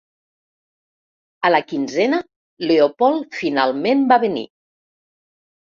A la quinzena, Leopold finalment va venir.